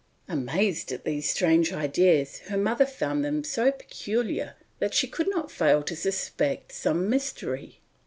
Amazed at these strange ideas, her mother found them so peculiar that she could not fail to suspect some mystery.